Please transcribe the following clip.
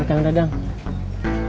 semua orang juga pada liat